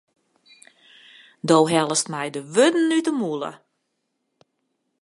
Do hellest my de wurden út de mûle.